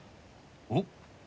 おっ。